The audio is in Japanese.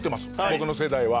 僕の世代は。